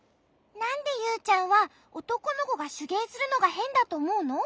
なんでユウちゃんはおとこのこがしゅげいするのがへんだとおもうの？